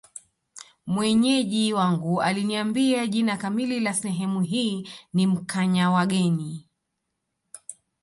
Mwenyeji wangu aliniambia jina kamili la sehemu hii ni Mkanyawageni